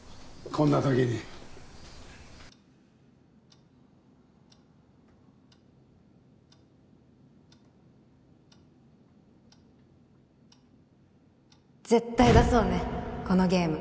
こんな時に絶対出そうねこのゲーム